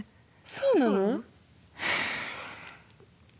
そうなの？